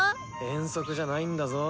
遠足じゃないんだぞ。